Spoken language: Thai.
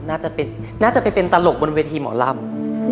น่าจะไปเป็นตลกบนเวทีหมอลำ